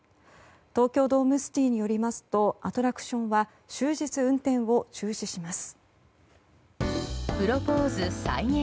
東京ドームシティによりますとアトラクションは終日運転を中止します。